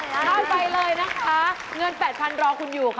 เข้าไปเลยนะคะเงิน๘๐๐รอคุณอยู่ค่ะ